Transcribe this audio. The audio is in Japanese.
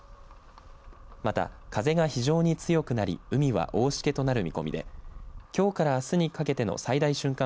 また、風が非常に強くなり海は大しけとなる見込みできょうからあすにかけての最大瞬間